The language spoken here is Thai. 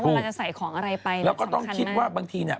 เราจะใส่ของอะไรไปแล้วก็ต้องคิดว่าบางทีเนี้ย